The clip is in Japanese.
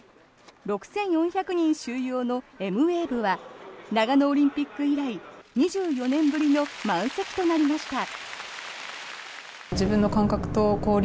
６４００人収容のエムウェーブは長野オリンピック以来２４年ぶりの満席となりました。